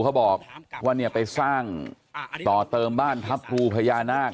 เขาบอกว่าเนี่ยไปสร้างต่อเติมบ้านทัพภูพญานาค